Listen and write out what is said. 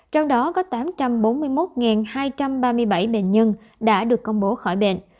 trong đó có tám trăm bốn mươi một hai trăm ba mươi bảy bệnh nhân đã được công bố khỏi bệnh